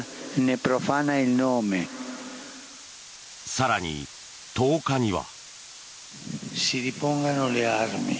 更に、１０日には。